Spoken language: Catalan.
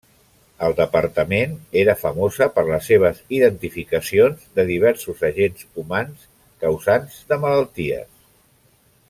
Al departament era famosa per les seves identificacions de diversos agents humans causants de malalties.